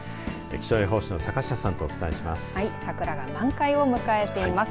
気象予報士の坂下さんとお伝えします。